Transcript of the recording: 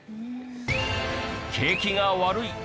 景気が悪い。